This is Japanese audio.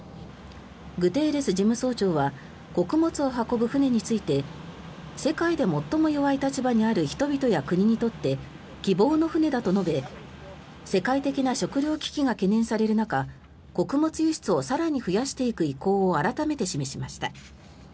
グテーレス事務総長は穀物を運ぶ船について世界で最も弱い立場にある人々や国にとって希望の船だと述べ世界的な食糧危機が懸念される中、穀物輸出を更に増やしていく意向を改めて示しました。